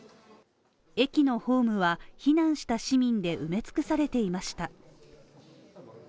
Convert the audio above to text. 駅のホームは避難した市民で埋め尽くされていました。